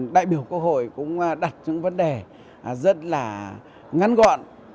đại biểu quốc hội cũng đặt những vấn đề rất là ngắn gọn